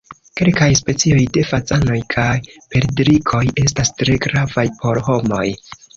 Kelkaj specioj de fazanoj kaj perdrikoj estas tre gravaj por homoj.